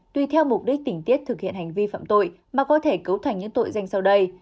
tuy theo mục đích tỉnh tiết thực hiện hành vi phạm tội mà có thể cấu thành những tội danh sau đây